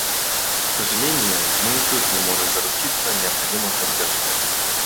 К сожалению, мы и тут не можем заручиться необходимой поддержкой.